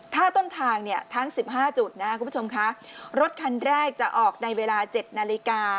ถ้าต้นทางเนี่ยทั้ง๑๕จุดนะครับคุณผู้ชมคะรถคันแรกจะออกในเวลา๗นาฬิกา